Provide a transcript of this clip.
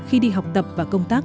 khi đi học tập và công tác